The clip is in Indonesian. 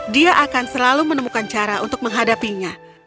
dia akan selalu menemukan cara untuk menghadapinya